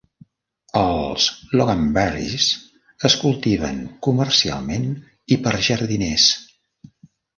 Els Loganberries es cultiven comercialment i per jardiners.